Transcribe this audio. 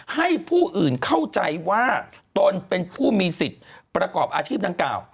ให้ผู้อื่นเข้าใจว่าตนเป็นผู้มีสิทธิ์ประกอบอาชีพดังกล่าว